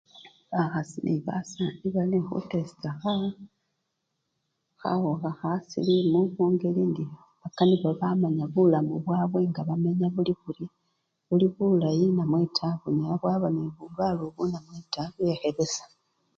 bakhasa nebasani bali nekhutesita khawukha khasilimu mungeli indi bakanibwa bamanya mulamu bwabwe nga bamenya buli burye, buli bulay namwe taa, bunyala bwaba nebulwale obwo namwe taa wekhebesya.